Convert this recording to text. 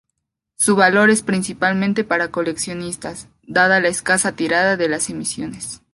Su valor es principalmente para coleccionistas, dada la escasa tirada de las emisiones.